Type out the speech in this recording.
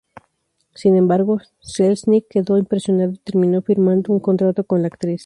Sin embargo, Selznick quedó impresionado y terminó firmando un contrato con la actriz.